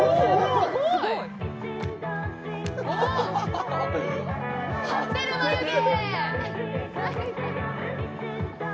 すごい！貼ってる、眉毛！